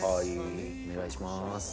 お願いします。